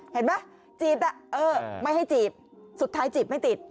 เห็นมั้ยจีบละไม่ให้จีบสุดท้ายจีบไม่ติด